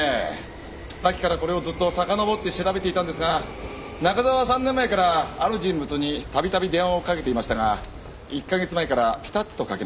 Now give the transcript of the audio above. さっきからこれをずっとさかのぼって調べていたんですが中沢は３年前からある人物にたびたび電話をかけていましたが１か月前からピタッとかけなくなっています。